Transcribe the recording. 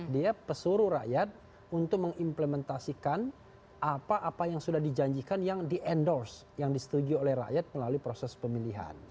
dia pesuru rakyat untuk mengimplementasikan apa apa yang sudah dijanjikan yang di endorse yang disetujui oleh rakyat melalui proses pemilihan